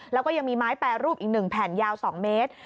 แล้วก็ยังมีไม้แปรรูปอีก๑แผ่นยาว๒เมตร